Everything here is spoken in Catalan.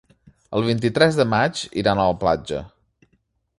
El vint-i-tres de maig iran a la platja.